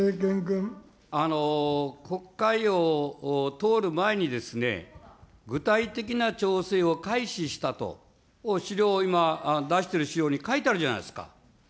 国会を通る前に、具体的な調整を開始したと資料、今出している資料に書いてあるじゃないですか。